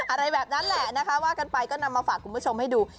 อะไรแบบนั้นแหละนะคะว่ากันไปก็นำมาฝากคุณผู้ชมให้ดู